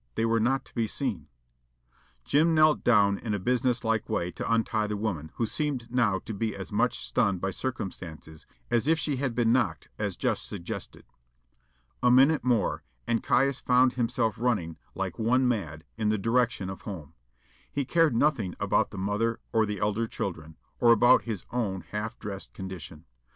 They were not to be seen. Jim knelt down in a business like way to untie the woman, who seemed now to be as much stunned by circumstances as if she had been knocked as just suggested. A minute more, and Caius found himself running like one mad in the direction of home. He cared nothing about the mother or the elder children, or about his own half dressed condition.